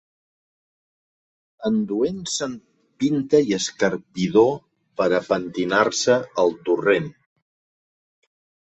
Enduent-se'n pinta i escarpidor per a pentinar-se al torrent.